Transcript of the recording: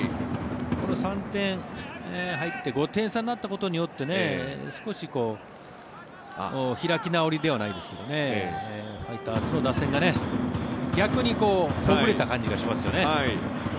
この３点入って５点差になったことによって少し開き直りではないですけどねファイターズの打線が逆にほぐれた感じがしますよね。